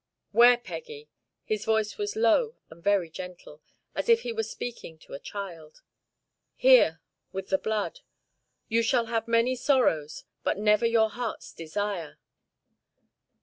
"Where, Peggy?" His voice was low and very gentle, as if he were speaking to a child. "Here, with the blood. You shall have many sorrows, but never your heart's desire."